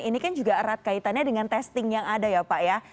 ini kan juga erat kaitannya dengan testing yang ada ya pak ya